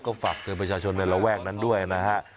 ก็ฝากเตือนประชาชนในระแวกนั้นด้วยนะฮะ